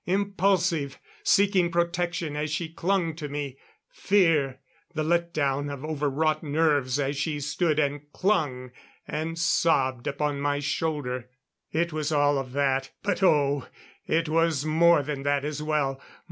Impulsive; seeking protection as she clung to me; fear; the let down of overwrought nerves as she stood and clung and sobbed upon my shoulder. It was all of that; but oh! it was more than that as well.